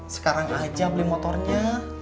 sekarang aja beli motornya